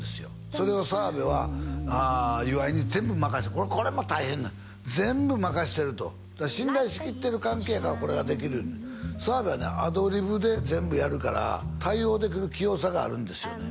それを澤部は岩井に全部任せてこれも大変な全部任してるとだから信頼しきってる関係やからこれができる言うねん澤部はねアドリブで全部やるから対応できる器用さがあるんですよね